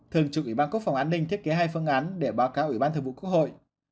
thường trục ủy ban quốc phòng an ninh thiết kế hai phương án để báo cáo ủy ban thường vụ quốc hội